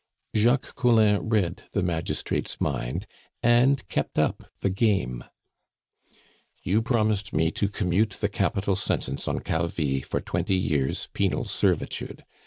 Jacques Collin read the magistrate's mind, and kept up the game. "You promised me to commute the capital sentence on Calvi for twenty years' penal servitude.